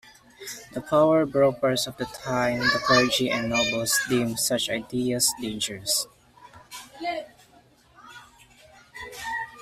The power brokers of the time, the clergy and nobles, deemed such ideas dangerous.